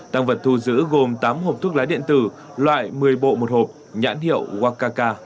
tăng vật thu giữ gồm tám hộp thuốc lá điện tử loại một mươi bộ một hộp nhãn hiệu wakaka